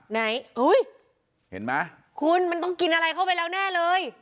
ไหนอุ้ยเห็นไหมคุณมันต้องกินอะไรเข้าไปแล้วแน่เลย